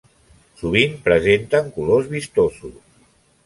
Sovint presenten colors vistosos.